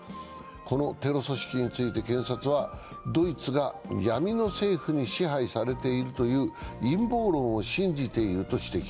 このテロ組織について検察はドイツが闇の政府に支配されているという陰謀論を信じていると指摘。